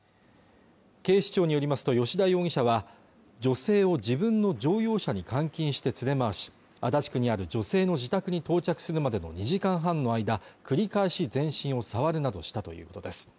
警視庁によりますと吉田容疑者は女性を自分の乗用車に監禁して連れ回し足立区にある女性の自宅に到着するまでの２時間半の間繰り返し全身を触るなどしたということです